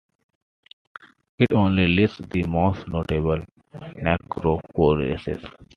It only lists the most notable necropoleis.